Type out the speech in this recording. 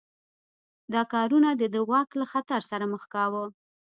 دا کارونه د ده واک له خطر سره مخ کاوه.